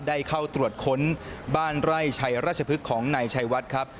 ได้เข้าตรวจค้นบ้านไร่ชัยราชพฤกษ์ของนายชัยวัดครับ